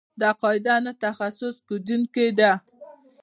دا قاعده نه تخصیص کېدونکې ده.